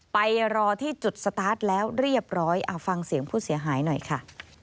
ไปรอที่จุดสตาร์ทแล้วเรียบร้อยฟังเสียงผู้เสียหายหน่อยค่ะ